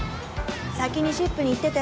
先にシップに行ってて。